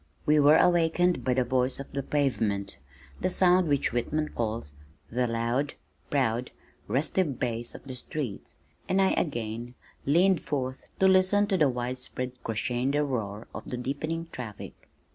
We were awakened by the voice of the pavement, that sound which Whitman calls "the loud, proud, restive bass of the streets," and again I leaned forth to listen to the widespread crescendo roar of the deepening traffic.